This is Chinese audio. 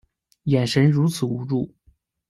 眼神如此无助